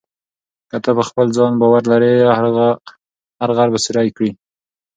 که ته په خپل ځان باور ولرې، هر غر به سوري کړې.